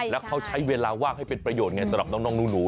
แล้วเขาใช้เวลาว่างให้เป็นประโยชนไงสำหรับน้องหนู